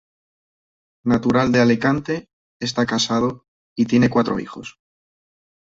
Natural de Alicante, está casado y tiene cuatro hijos.